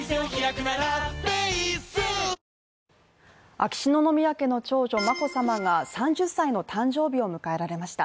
秋篠宮家の長女眞子さまが３０歳の誕生日を迎えられました。